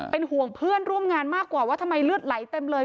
เป็นห่วงเพื่อนร่วมงานมากกว่าว่าทำไมเลือดไหลเต็มเลย